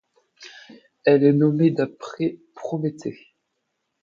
Elle est nommée d'après Prométhée.